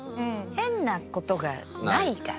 変な事がないから。